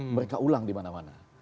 mereka ulang dimana mana